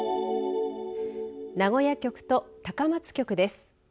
名古屋局と高松局です。